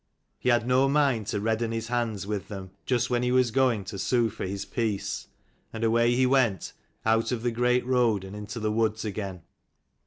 He had no mind to redden his hands with them, just when he was going to sue for his peace : and away he went, out of the great road and into the woods again.